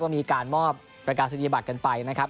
ก็มีการมอบประกาศศิลปะกันไปนะครับ